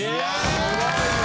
すごいわ。